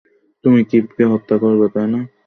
তুমি কিফকে হত্যা করবে, তাই না?